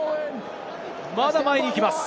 まだ前に行きます。